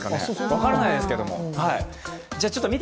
分からないですけど。